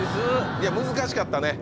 いや難しかったね。